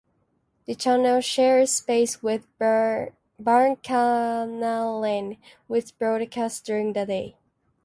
The channel shares space with Barnkanalen, which broadcasts during the day.